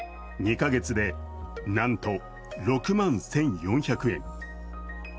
２カ月で、なんと６万１４００円。